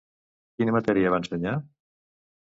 Quina matèria va ensenyar?